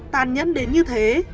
tàn nhẫn đến như thế